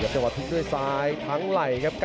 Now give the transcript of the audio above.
พลาดทิ้งด้วยซ้ายทั้งไหล่ครับ